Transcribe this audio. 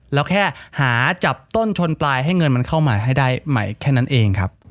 เราแค่หาจับต้นชนปลายให้เงินมันเข้ามาให้ได้ใหม่แค่นั้นเองครับ